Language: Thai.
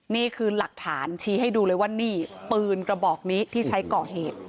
นี่คือหลักฐานชี้ให้ดูเลยว่านี่ปืนกระบอกนี้ที่ใช้ก่อเหตุ